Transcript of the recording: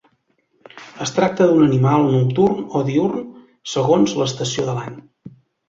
Es tracta d'un animal nocturn o diürn segons l'estació de l'any.